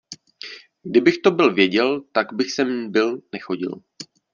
Kdybych to byl věděl, tak bych sem byl nechodil.